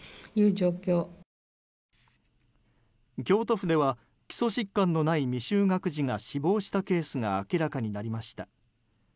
京都府では基礎疾患のない未就学児が死亡したケースが明らかになりました。